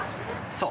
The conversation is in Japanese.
そう。